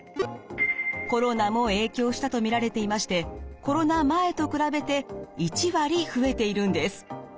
コロナも影響したと見られていましてコロナ前と比べて１割増えているんです。